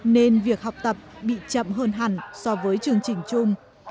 nên việc học tập bị chậm hơn hẳn so với chương trình chung